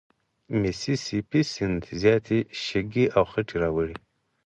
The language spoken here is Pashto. میسي سي پي سیند زیاتي شګې او خټې راوړي.